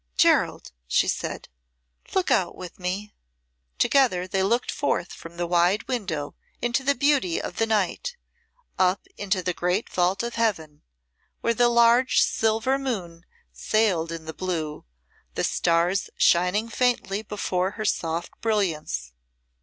"Gerald," she said, "look out with me." Together they looked forth from the wide window into the beauty of the night, up into the great vault of Heaven, where the large silver moon sailed in the blue, the stars shining faintly before her soft brilliance.